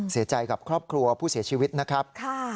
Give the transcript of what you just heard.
เสียใจกับครอบครัวผู้เสียชีวิตนะครับ